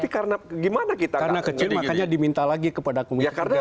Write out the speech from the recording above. karena kecil makanya diminta lagi kepada komisi tiga